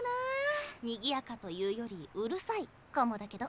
「にぎやか」というより「うるさい」かもだけど。